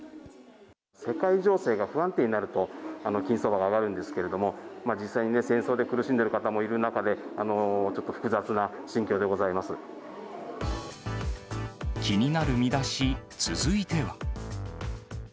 世界情勢が不安定になると、金相場が上がるんですけれども、実際に戦争で苦しんでいる方もいる中で、ちょっと複雑な心境でご気になるミダシ、続いては。